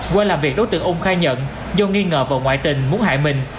qua làm việc đối tượng ung khai nhận do nghi ngờ vào ngoại tình muốn hại mình